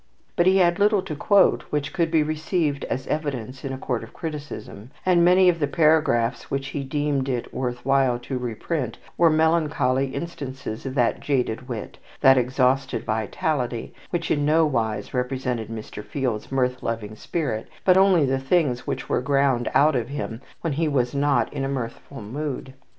But he had little to quote which could be received as evidence in a court of criticism; and many of the paragraphs which he deemed it worth while to reprint were melancholy instances of that jaded wit, that exhausted vitality, which in no wise represented Mr. Field's mirth loving spirit, but only the things which were ground out of him when he was not in a mirthful mood.